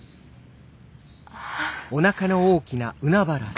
ああ。